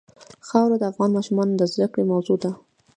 خاوره د افغان ماشومانو د زده کړې موضوع ده.